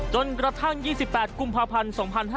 จนกระทั่ง๒๘กุมภาพันธ์๒๕๕๙